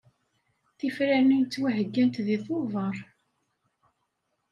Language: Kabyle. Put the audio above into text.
Tifranin ttwaheggant deg Tuber.